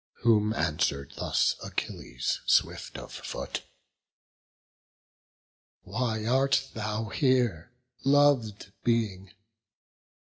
Whom answer'd thus Achilles, swift of foot: "Why art thou here, lov'd being?